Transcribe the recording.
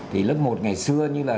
thì lớp một ngày xưa như là